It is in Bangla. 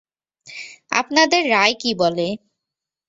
আপনাদের রায় কী বলে?